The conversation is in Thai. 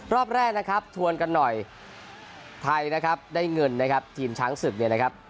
รอบแรกนะครับทวนกันหน่อยไทยนะครับได้เงินนะครับทีมช้างศึกเนี่ยนะครับ